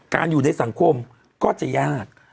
อยู่ในสังคมก็จะยาก